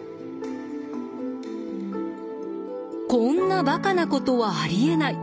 こんなバカなことはありえない。